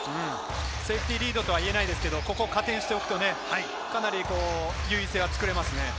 セーフティリードとは言えないですけれども、ここ加点して優位性が作れますよね。